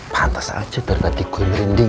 pantas aja dari tadi gue merinding